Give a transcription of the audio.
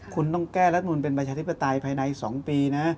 คุณต้องแก้รัฐมนุนเป็นประชาธิปไตยภายใน๒ปีนะ